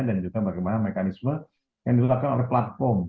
dan juga bagaimana mekanisme yang ditutupkan oleh platform